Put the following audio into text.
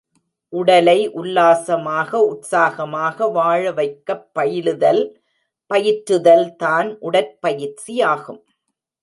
உடலை உல்லாசமாக, உற்சாகமாக வாழ வைக்கப்பயிலுதல், பயிற்றுதல் தான் உடற்பயிற்சியாகும்.